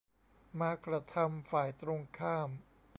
มากระทำฝ่ายตรงข้าม